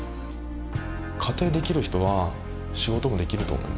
家庭できる人は仕事もできると思います。